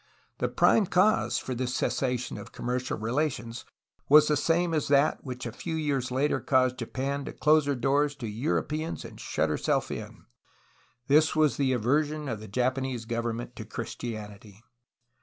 The prime cause for this cessation of commercial relations was the same as that which a few years later caused Japan to close her doors to Europeans and shut herself in. This was the aversion of the Japanese government for Christianity.